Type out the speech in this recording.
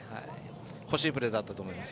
惜しいプレーだったと思います。